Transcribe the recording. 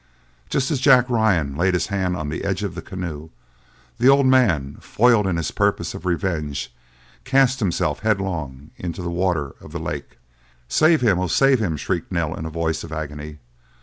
Just as Jack Ryan laid his hand on the edge of the canoe, the old man, foiled in his purpose of revenge, cast himself headlong into the waters of the lake. "Save him! oh, save him!" shrieked Nell in a voice of agony.